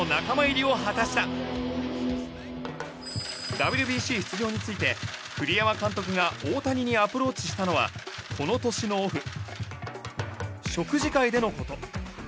ＷＢＣ出場について栗山監督が大谷にアプローチしたのはこの年のオフ食事会での事。